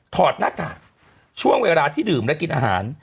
ถอดหน้ากากช่วงเวลาที่ดื่มและกินอาหาร